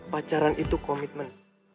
pacaran itu komitmen